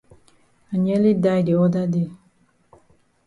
I nearly die de oda day.